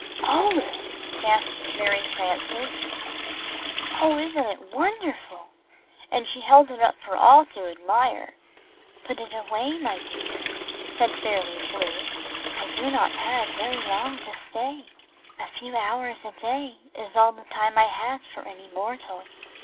"Oh," gasped Mary Frances, "Oh, isn't it wonder ful?" and she held it up for all to admire. "Put it away, my dear," said Fairly Flew. "I do not have very long to stay. A few hours a day is all the time I have for any mortal.